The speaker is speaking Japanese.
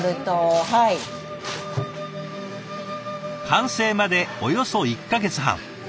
完成までおよそ１か月半。